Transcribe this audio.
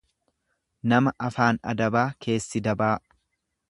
Nama afaan adabaa, keessi dabaa.